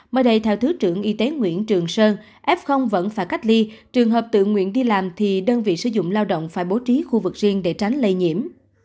mới đây theo thứ trưởng y tế nguyễn trường sơn f vẫn phải cách ly trường hợp tự nguyện đi làm thì đơn vị sử dụng lao động phải bố trí khu vực riêng để tránh lây nhiễm